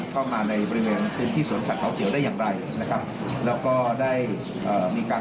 ทุกคนก็รู้ซึ่งครั้งนี้ครับ